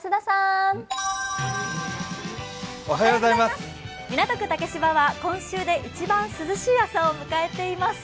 席は港区竹芝は今週で一番涼しい朝を迎えています。